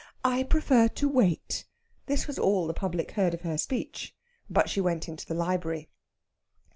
I prefer to wait." This was all the public heard of her speech. But she went into the library.